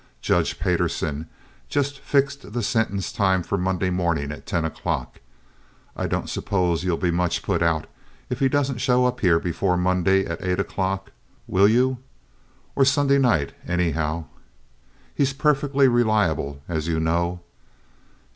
Judge Payderson has just fixed the sentence time for Monday morning at ten o'clock. I don't suppose you'll be much put out if he doesn't show up here before Monday at eight o'clock, will you, or Sunday night, anyhow? He's perfectly reliable, as you know."